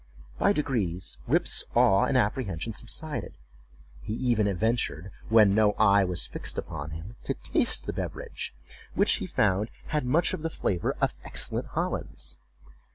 By degrees Rip's awe and apprehension subsided. He even ventured, when no eye was fixed upon him, to taste the beverage, which he found had much of the flavor of excellent Hollands.